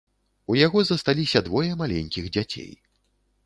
У яго засталіся двое маленькіх дзяцей.